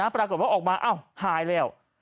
ปรากฏว่าออกมาอ้าวหายแล้ว